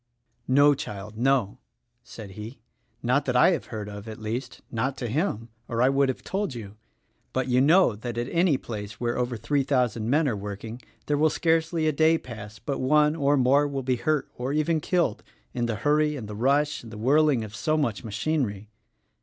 "No, child, no!" said he, "not that I have heard of; at least, not to him, or I would have told you ; but you know that at any place where over three thousand men are work ing there will scarcely a day pass but one or more will be hurt or even killed, in the hurry and the rush, and the whirling of so much machinery."